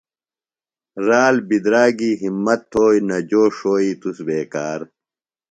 رال بِدراگی ہِمت تھوئی، نہ جو ݜوئی تس بےکار